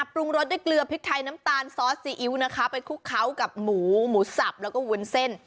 ปรุงรสด้วยเกลือพริกไทยน้ำตาลซอสซีอิ๊วนะคะไปคลุกเคล้ากับหมูหมูสับแล้วก็วุ้นเส้น